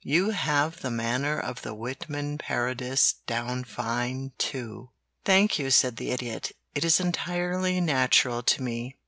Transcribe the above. You have the manner of the Whitman parodist down fine, too." "Thank you," said the Idiot. "It is entirely natural to me.